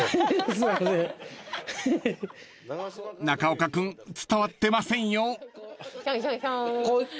［中岡君伝わってませんよ］